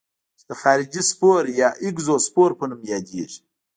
چې د خارجي سپور یا اګزوسپور په نوم یادیږي.